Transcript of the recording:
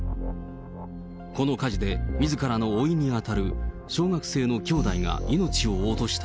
この火事でみずからのおいに当たる小学生の兄弟が命を落とした。